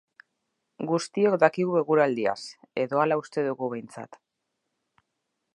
Guztiok dakigu eguraldiaz, edo hala uste dugu behintzat.